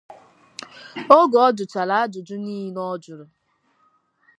Oge ọ jụchaara ajụjụ niile ọ jụrụ